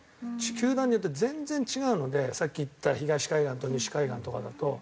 球団によって全然違うのでさっき言った東海岸と西海岸とかだと。